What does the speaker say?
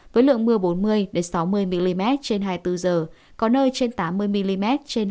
với lượng mưa bốn mươi sáu mươi mm trên hai mươi bốn h có nơi trên tám mươi mm